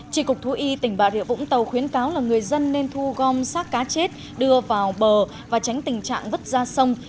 chỉ cục thú y tỉnh bà rịa vũng tàu khuyến cáo là người dân nên thu gom xác cá chết đưa vào bờ và tránh tình trạng vứt ra sông